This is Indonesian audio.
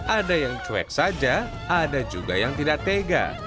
ada yang cuek saja ada juga yang tidak tega